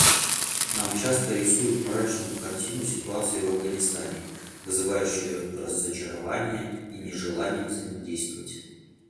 Нам часто рисуют мрачную картину ситуации в Афганистане, вызывающую разочарование и нежелание взаимодействовать.